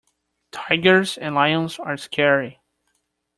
Tigers and lions are scary.